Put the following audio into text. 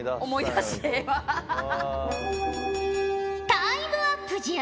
タイムアップじゃ。